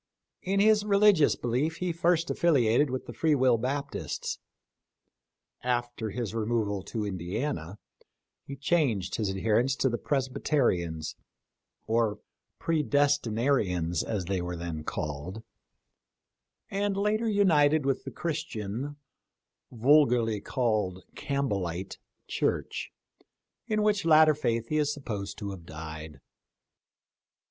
In his relig ious belief he first affiliated with the Free Will Baptists. After his removal to Indiana he changed his adherence to the Presbyterians — or Predestina rians, as they were then called — and later united with the Christian — vulgarly called Campbellite — 12 The um of LINCOLN. Church, in which latter faith he is supposed to have died.